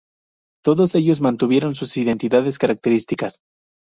Todos ellos mantuvieron sus identidades características.